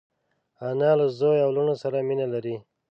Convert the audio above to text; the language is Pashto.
انا له زوی او لوڼو سره مینه لري